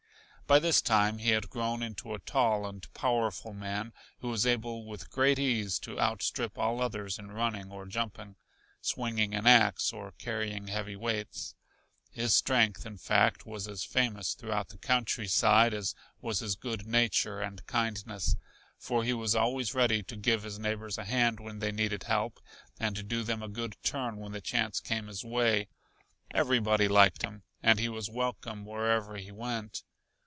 By this time he had grown into a tall and powerful man who was able with great ease to outstrip all others in running or jumping, swinging an ax or carrying heavy weights. His strength, in fact, was as famous throughout the country side as was his good nature and kindness, for he was always ready to give his neighbors a hand when they needed help and to do them a good turn when the chance came his way. Everybody liked him and he was welcome wherever he went.